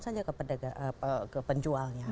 saja ke penjualnya